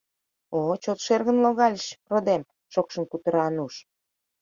— О чот шергын логальыч, родем, — шокшын кутыра Ануш.